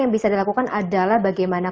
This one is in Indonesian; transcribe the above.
yang bisa dilakukan adalah bagaimana